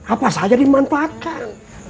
apa saja dimanfaatkan